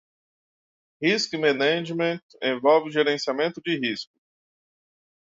Risk Management envolve gerenciamento de riscos.